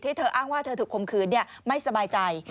เธออ้างว่าเธอถูกคมคืนไม่สบายใจ